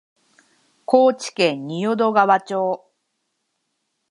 高知県仁淀川町